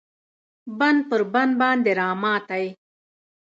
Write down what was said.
بند پر بند باندې راماتی